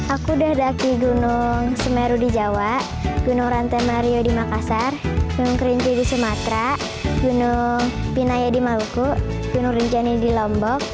aku udah daki gunung semeru di jawa gunung rantai mario di makassar gunung kerinci di sumatera gunung pinaya di maluku gunung rinjani di lombok